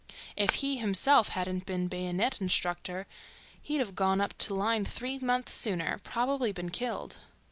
If he himself hadn't been bayonet instructor he'd have gone up to line three months sooner, probably been killed.